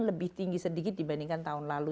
lebih tinggi sedikit dibandingkan tahun lalu